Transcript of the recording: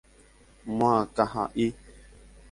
Moakãha'i.